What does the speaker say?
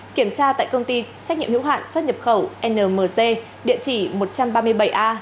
kiểm tra tại công ty trách nhiệm hiếu hạn xuất nhập khẩu nmc địa chỉ một trăm ba mươi bảy a